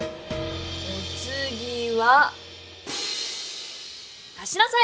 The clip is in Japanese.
おつぎは。かしなさい！